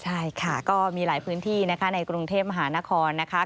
ใช่ค่ะก็มีหลายพื้นที่นะคะในกรุงเทพมหานครนะคะ